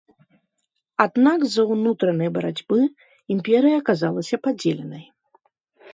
Аднак з-за ўнутранай барацьбы імперыя аказалася падзеленай.